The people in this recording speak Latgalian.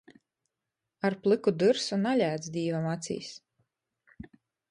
Ar plyku dyrsu nalēc Dīvam acīs.